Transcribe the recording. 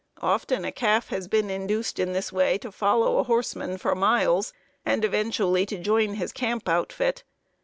Often a calf has been induced in this way to follow a horseman for miles, and eventually to join his camp outfit.